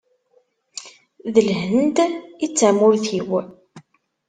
D Lhend i d tamurt-iw.